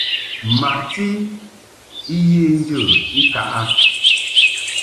Maʼti I ye njə I taʼ a.